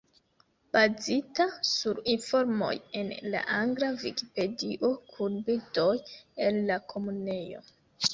Bazita sur informoj en la angla Vikipedio, kun bildoj el la Komunejo.